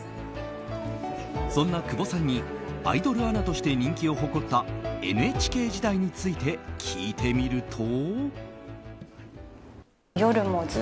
そんな久保さんにアイドルアナとして人気を誇ったＮＨＫ時代について聞いてみると。